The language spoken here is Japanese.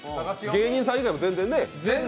芸人さん以外も全然ね。